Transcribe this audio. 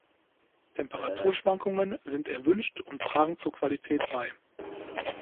Temperaturschwankungen sind erwünscht und tragen zur Qualität bei.